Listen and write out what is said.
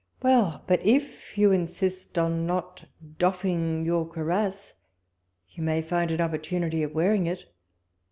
Well ! but if you insist on not doffing your cuirass, you may find an opportunity of wearing it.